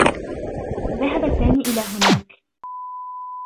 ذهب سامي إلى هناك.